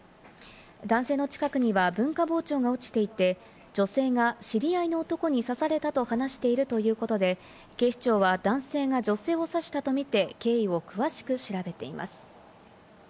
男性の近くには文化包丁が落ちていて、女性が知り合いの男に刺されたと話しているということで、警視庁は男性が女性を刺したとみて経緯を詳しく調べています。